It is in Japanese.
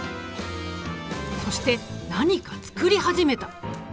そして何か作り始めた。